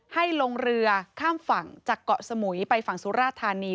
ให้ลงเรือข้ามฝั่งจากเกาะสมุยไปฝั่งสุราธานี